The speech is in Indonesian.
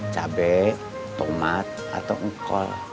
cabai tomat atau engkol